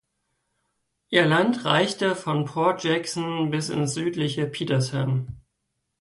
Ihr Land reichte von Port Jackson bis ins südliche Petersham.